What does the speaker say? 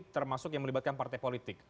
termasuk yang melibatkan partai politik